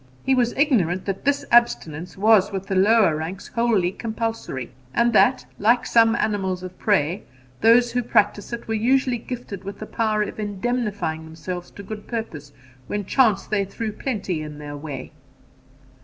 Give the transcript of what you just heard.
He was ignorant that this abstinence was with the lower ranks wholly compulsory, and that, like some animals of prey, those who practise it were usually gifted with the power of indemnifying themselves to good purpose when chance threw plenty in their way.